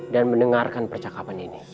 dan mendengarkan percakapan ini